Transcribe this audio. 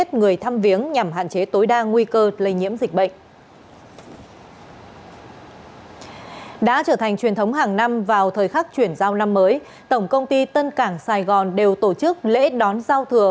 trong thời khắc chuyển giao năm mới tổng công ty tân cảng sài gòn đều tổ chức lễ đón giao thừa